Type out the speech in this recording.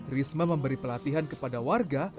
risma memberi pelatihan kepada warga